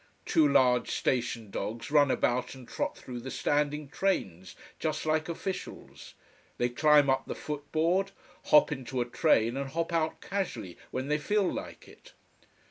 Two large station dogs run about and trot through the standing trains, just like officials. They climb up the footboard, hop into a train and hop out casually when they feel like it.